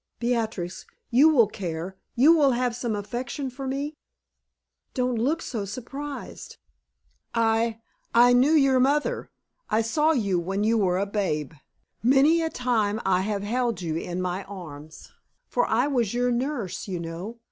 Beatrix, you will care, you will have some affection for me? Don't look so surprised. I I knew your mother. I saw you when you were a babe. Many a time I have held you in my arms, for I was your nurse, you know.